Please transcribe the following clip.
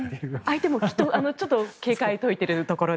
相手もきっと警戒を解いてるところで。